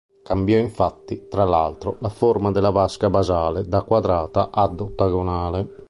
Cambiò infatti, tra l'altro, la forma della vasca basale da quadrata ad ottagonale.